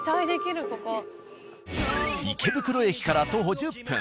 池袋駅から徒歩１０分。